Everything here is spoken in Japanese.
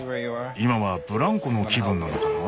今はブランコの気分なのかな？